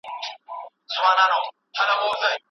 د مؤمنانو تر منځ دوستانه اړیکې پیاوړې دي.